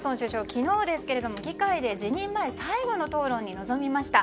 昨日、議会で辞任前最後の討論に臨みました。